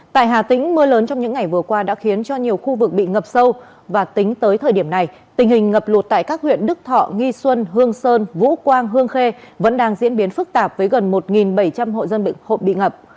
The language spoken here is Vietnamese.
tại hà tĩnh mưa lớn trong những ngày vừa qua đã khiến cho nhiều khu vực bị ngập sâu và tính tới thời điểm này tình hình ngập lụt tại các huyện đức thọ nghi xuân hương sơn vũ quang hương khê vẫn đang diễn biến phức tạp với gần một bảy trăm linh hộ dân bị ngập